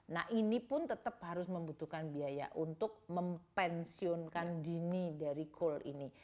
nah ini pun tetap harus membutuhkan biaya untuk mempensiunkan dini dari coal ini